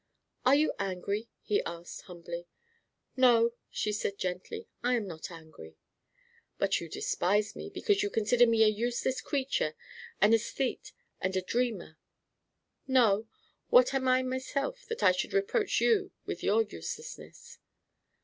"Are you angry?" he asked, humbly. "No," she said, gently, "I am not angry." "But you despise me, because you consider me a useless creature, an æsthete and a dreamer?" "No. What am I myself, that I should reproach you with your uselessness?"